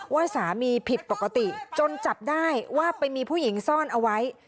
ว่าสามีผิดปกติจนจับได้ว่าไปมีผู้หญิงซ่อนเอาไว้